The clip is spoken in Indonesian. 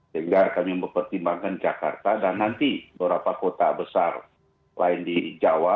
sehingga kami mempertimbangkan jakarta dan nanti beberapa kota besar lain di jawa